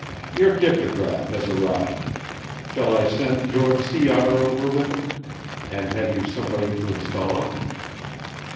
Your dictograph has arrived. Shall I send George Sea Otter over with it? And have you somebody to install it?"